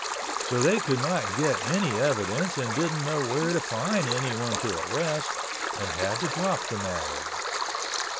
So they could not get any evidence and didn't know where to find anyone to arrest, and had to drop the matter.